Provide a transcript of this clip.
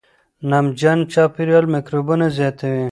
نمجن چاپېریال میکروبونه زیاتوي.